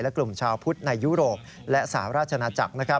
กลุ่มชาวพุทธในยุโรปและสหราชนาจักร